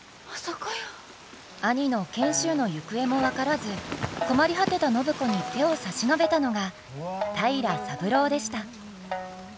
兄の賢秀の行方も分からず困り果てた暢子に手を差し伸べたのが平良三郎でした。